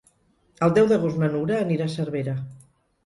El deu d'agost na Nura anirà a Cervera.